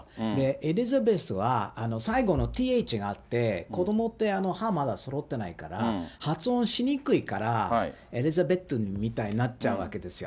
エリザベスは最後のＴＨがあって、子どもって、歯まだそろってないから、発音しにくいから、エリザベットみたいになっちゃうわけですよ。